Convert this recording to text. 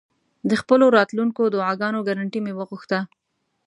د خپلو راتلونکو دعاګانو ګرنټي مې وغوښته.